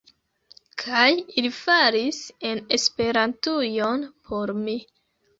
Kaj ili falis en Esperantujon por mi.